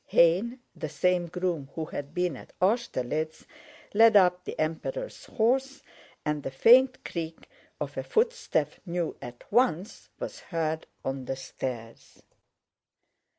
Hayne, the same groom who had been at Austerlitz, led up the Emperor's horse, and the faint creak of a footstep Rostóv knew at once was heard on the stairs.